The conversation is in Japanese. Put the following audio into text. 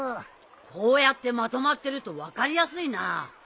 こうやってまとまってると分かりやすいな。